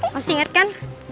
masih ingat kan